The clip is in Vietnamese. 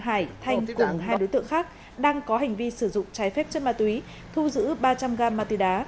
hải thanh cùng hai đối tượng khác đang có hành vi sử dụng trái phép chất ma túy thu giữ ba trăm linh g ma túy đá